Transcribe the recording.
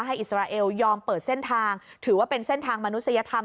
อิสราเอลยอมเปิดเส้นทางถือว่าเป็นเส้นทางมนุษยธรรม